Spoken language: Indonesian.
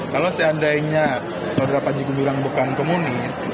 kalau seandainya saudara panjigo bilang bukan komunis